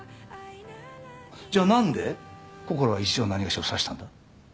じゃあなんでこころは一条なにがしを刺したんだ？